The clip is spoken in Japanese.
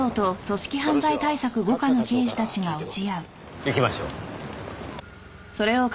行きましょう。